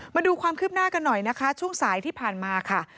มาดูความคืบหน้ากันหน่อยนะคะช่วงสายที่ผ่านมาค่ะ